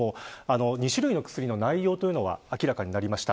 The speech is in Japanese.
２種類の薬の内容が明らかになりました。